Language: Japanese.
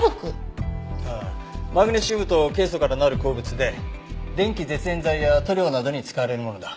マグネシウムとケイ素からなる鉱物で電気絶縁材や塗料などに使われるものだ。